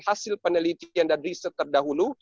hasil penelitian dan riset terdahulu